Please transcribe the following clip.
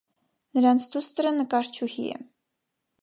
Նրանց դուստրը նկարչուհի է։